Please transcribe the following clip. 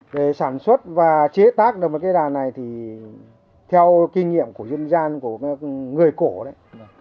về sản xuất và chế tác được một cây đàn này thì theo kinh nghiệm của dân gian của người cổ đấy